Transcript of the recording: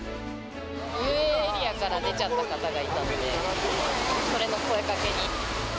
遊泳エリアから出ちゃった方がいたので、それの声かけに。